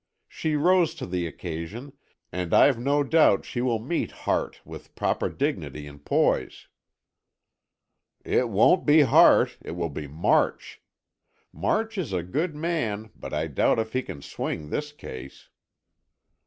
She rose to the occasion and I've no doubt she will meet Hart with proper dignity and poise." "It won't be Hart, it will be March. March is a good man, but I doubt if he can swing this case."